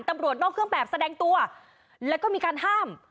ตำรวจนอกเครื่องแบบแสดงตัวแล้วก็มีการห้าม